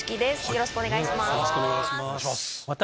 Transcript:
よろしくお願いします。